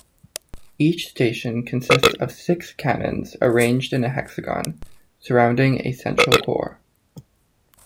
Each station consists of six cannons arranged in a hexagon, surrounding a central core.